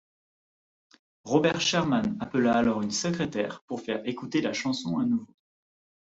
Robert Sherman appela alors une secrétaire pour faire écouter la chanson à nouveau.